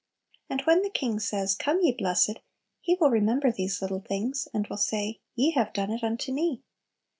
And when the King says, "Come, ye blessed," He will remember these little things, and will say, "Ye have done it unto me."